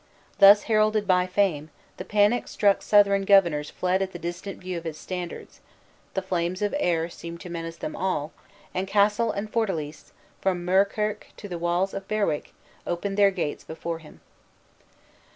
Thus, heralded by fame, the panic struck Southron governors fled at the distant view of his standards; the flames of Ayr seemed to menace them all, and castle and fortalice, from Muirkirk to the walls of Berwick, opened their gates before him.